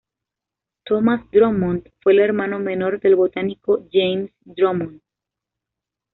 Thomas Drummond fue el hermano menor del botánico James Drummond.